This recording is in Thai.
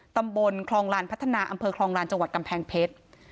ตำบลคลองลานพัฒนาอำเภอคลองลานจังหวัดกำแพงเพชร